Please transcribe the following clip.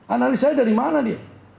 analisanya dari mana dia